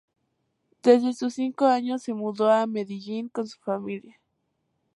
Desde sus cinco años, se mudó a Medellín con su familia.